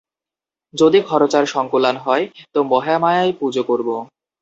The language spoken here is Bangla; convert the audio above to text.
যদি খরচার সঙ্কুলান হয় তো মহামায়ার পুজো করব।